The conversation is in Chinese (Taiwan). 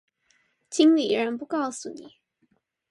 經理人不告訴你